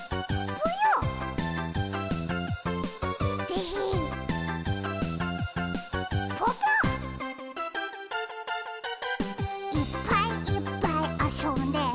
ぽぽ「いっぱいいっぱいあそんで」